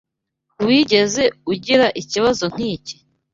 Wigeze ugira ikibazo nkiki?